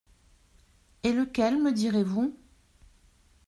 Et lequel me direz-vous ?